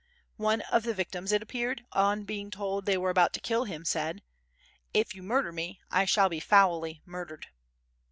One of the victims, it appeared, on being told they were about to kill him, said: "If you murder me, I shall be foully murdered."